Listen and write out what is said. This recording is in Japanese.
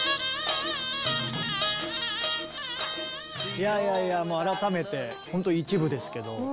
いやいやいやもう改めてほんと一部ですけど。